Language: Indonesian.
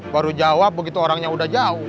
baru jawab begitu orangnya udah jauh